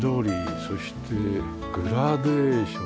そしてグラデーションで。